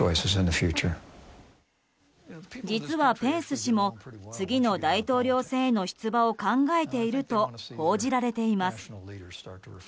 実はペンス氏も次の大統領選への出馬を考えていると報じられています。